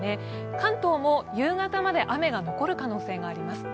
関東も夕方まで雨が残る可能性があります。